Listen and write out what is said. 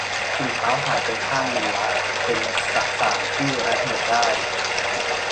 ถุงเท้าหายไปข้างนึงละ เป็นสสารที่ระเหิดได้